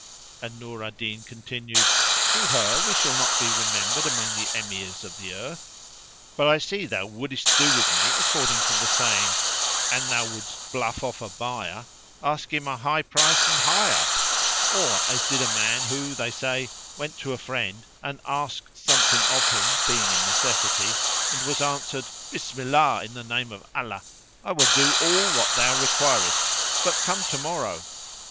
and Nur al Din continued, "Through her we shall not be remembered among the Emirs of the earth; but I see thou wouldest do with me according to the saying:—An thou wouldst bluff off a buyer, ask him high price and higher; or as did a man who, they say, went to a friend and asked something of him being in necessity and was answered, 'Bismillah, [FN#366] in the name of Allah, I will do all what thou requirest but come to morrow!'